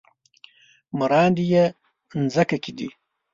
مراندې يې مځکه کې ،